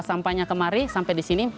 sampahnya kemari sampai di sini